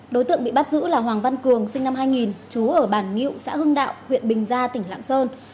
đối tượng bị bắt giữ là hoàng văn cường sinh năm hai nghìn trú ở bản ngự xã hưng đạo huyện bình gia tỉnh lạng sơn